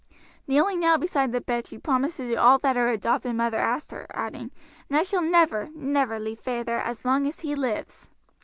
Kneeling now beside the bed she promised to do all that her adopted mother asked her, adding, "and I shall never, never leave feyther as long as he lives."